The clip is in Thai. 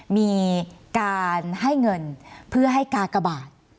มีการให้เงินเพื่อให้กากบาท